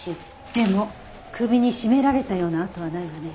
でも首に絞められたような痕はないわね。